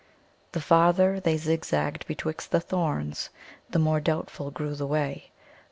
The farther they zigzagged betwixt the thorns, the more doubtful grew the way.